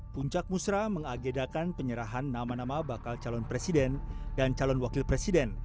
puncak musra mengagedakan penyerahan nama nama bakal calon presiden dan calon wakil presiden